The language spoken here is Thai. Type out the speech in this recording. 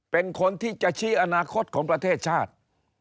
เป็นคนที่จะชี้อนาคตของประเทศชาติ